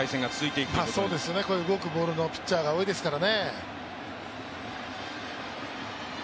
動くボールのピッチャーが多いですから。